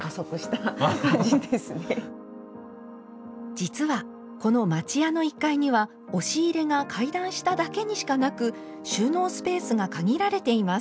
実はこの町家の１階には押し入れが階段下だけにしかなく収納スペースが限られています。